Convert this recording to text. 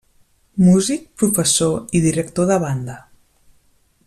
Músic, professor i director de banda.